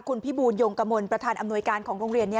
คุณพี่บูลยงกมลประธานอำนวยการของโรงเรียน